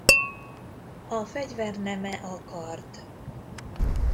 A fegyverneme a kard.